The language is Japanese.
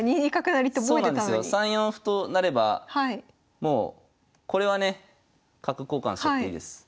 ３四歩となればもうこれはね角交換しちゃっていいです。